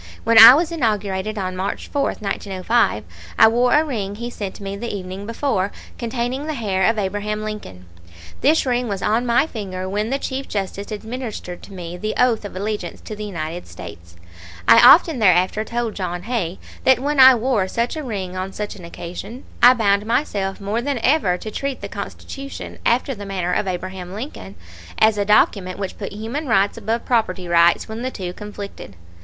When I was inaugurated on March 4, 1905, I wore a ring he sent me the evening before, containing the hair of Abraham Lincoln. This ring was on my finger when the Chief Justice administered to me the oath of allegiance to the United States; I often thereafter told John Hay that when I wore such a ring on such an occasion I bound myself more than ever to treat the Constitution, after the manner of Abraham Lincoln, as a document which put human rights above property rights when the two conflicted.